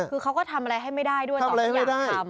คือเขาก็ทำอะไรให้ไม่ได้ด้วยทำอะไรให้ไม่ได้